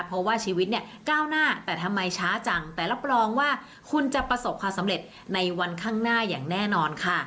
เพราะว่าชีวิตเนี่ยก้าวหน้าแต่ทำไมช้าจังแต่รับรองว่าคุณจะประสบความสำเร็จในวันข้างหน้าอย่างแน่นอนค่ะ